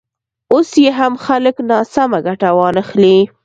اوس یې هم خلک ناسمه ګټه وانخلي.